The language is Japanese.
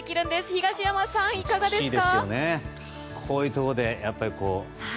東山さん、いかがですか。